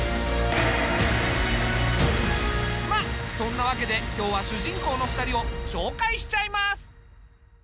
まあそんなわけで今日は主人公の２人を紹介しちゃいます。